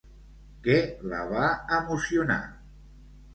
Què la va emocionar?